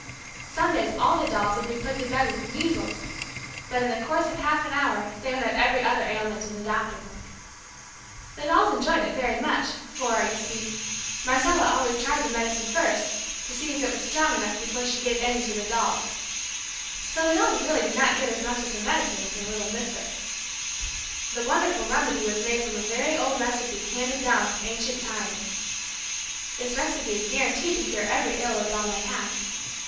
Some days all the dolls would be put to bed with "measles" but in the course of half an hour they would have every other ailment in the Doctor book. The dolls enjoyed it very much, for, you see, Marcella always tried the medicine first to see if it was strong enough before she gave any to the dolls. [Illustration: Bandaged up] So the dolls really did not get as much of the medicine as their little mistress. The wonderful remedy was made from a very old recipe handed down from ancient times. This recipe is guaranteed to cure every ill a doll may have.